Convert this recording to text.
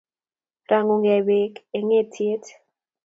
Rangu gei beek eng etiet